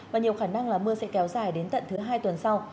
và nhiều khả năng là mưa sẽ kéo dài đến tận thứ hai tuần sau